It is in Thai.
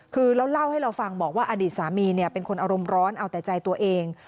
คือแล้วเล่าให้เราฟังบอกว่าอดีตสามีเป็นคนอารมณ์ร้อนเอาแต่ใจตัวเอง